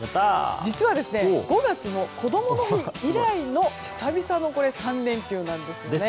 実は、５月のこどもの日以来の久々の３連休なんです。